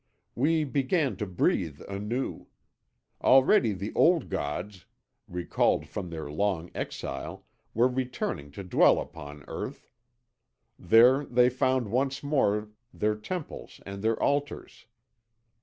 We began to breathe anew. Already the old gods, recalled from their long exile, were returning to dwell upon earth. There they found once more their temples and their altars.